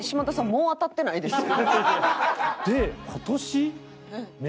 もう当たってないですよ。